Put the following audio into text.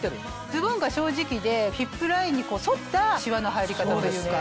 ズボンが正直でヒップラインに沿ったしわの入り方というか。